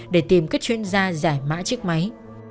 để tìm các chuyên gia giải mã chiếc máy